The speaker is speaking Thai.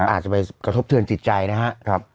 อาจจะไปกระทบเทือนจิตใจนะครับ